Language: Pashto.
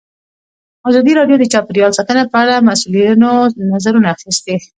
ازادي راډیو د چاپیریال ساتنه په اړه د مسؤلینو نظرونه اخیستي.